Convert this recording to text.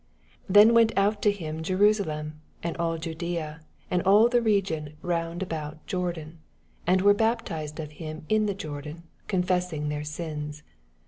5 Then went ont to him Jerosalenif and all Judeea, and all the region round about Jordan, 6 And were baptized of him in Jordan, confessing their sins.